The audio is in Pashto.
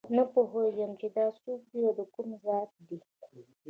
نه پوهېږو چې دا څوک دي دکوم ذات دي